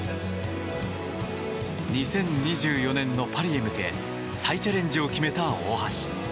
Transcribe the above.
２０２４年のパリへ向け再チャレンジを決めた大橋。